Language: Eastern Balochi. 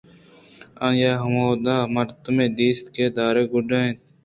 آئی ءَ ہمودءَ مردے دیست کہ آ دار ءِ گُڈّگ ءَ اَت